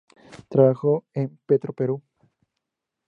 Trabajó en Petroperú.